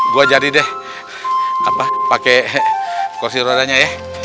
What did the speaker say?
gua jadi deh apa pake kursi rodanya ya